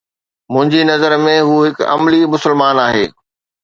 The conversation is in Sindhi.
منهنجي نظر ۾ هو هڪ عملي مسلمان آهي